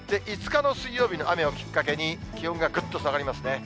５日の水曜日の雨をきっかけに、気温がぐっと下がりますね。